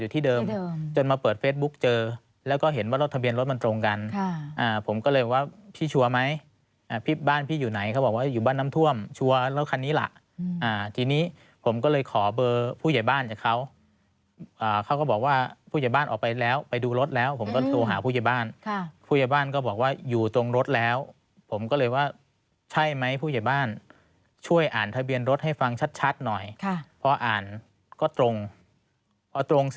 ที่เดิมจนมาเปิดเฟซบุ๊กเจอแล้วก็เห็นว่ารถทะเบียนรถมันตรงกันผมก็เลยว่าพี่ชัวร์ไหมพี่บ้านพี่อยู่ไหนเขาบอกว่าอยู่บ้านน้ำท่วมชัวร์รถคันนี้ล่ะทีนี้ผมก็เลยขอเบอร์ผู้ใหญ่บ้านจากเขาเขาก็บอกว่าผู้ใหญ่บ้านออกไปแล้วไปดูรถแล้วผมก็โทรหาผู้ใหญ่บ้านผู้ใหญ่บ้านก็บอกว่าอยู่ตรงรถแล้วผมก็เลยว่าใช่ไหมผู้ใหญ่บ้านช่วยอ่านทะเบียนรถให้ฟังชัดหน่อยพออ่านก็ตรงพอตรงส